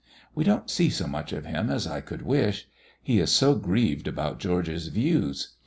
We don't see so much of him as I could wish. He is so grieved about George's views.